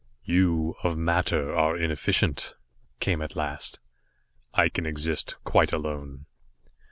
"You, of matter, are inefficient," came at last. "I can exist quite alone."